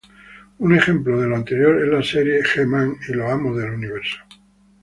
Un ejemplo de lo anterior es la serie "He-Man y los Amos del Universo".